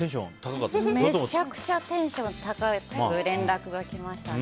めちゃくちゃテンション高く連絡が来ましたね。